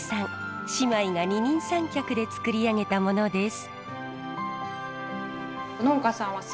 姉妹が二人三脚で作り上げたものです。